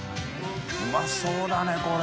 うまそうだねこれ。